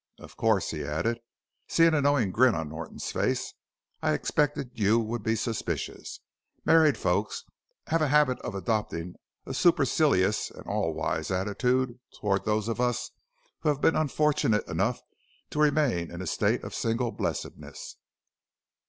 Of course," he added, seeing a knowing grin on Norton's face, "I expected you would be suspicious married folks have a habit of adopting a supercilious and all wise attitude toward those of us who have been unfortunate enough to remain in a state of single blessedness."